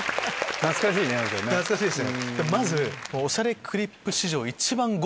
懐かしいですよ。